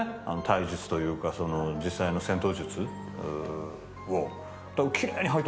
体術というか実際の戦闘術を。